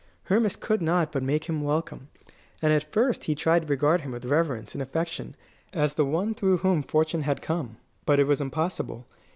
Hermas could not but make him welcome, and at first he tried to regard him with reverence and affection as the one through whom fortune had come. But it was impossible.